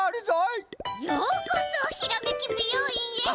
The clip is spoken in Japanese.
ようこそ「ひらめきびよういん」へ！